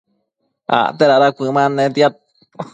acte dada cuëman natiad